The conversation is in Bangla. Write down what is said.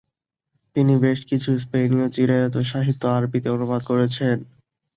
তিনি বেশকিছু স্পেনীয় চিরায়ত সাহিত্য আরবিতে অনুবাদ করেছেন।